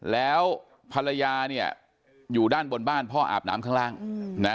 แล้วภรรยาเนี่ยอยู่ด้านบนบ้านพ่ออาบน้ำข้างล่างนะ